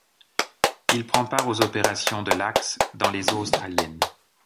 Il prend part aux opérations de l'Axe dans les eaux australiennes.